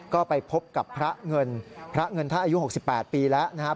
ก็ไปพบกับพระเงินพระเงินท่านอายุ๖๘ปีแล้วนะครับ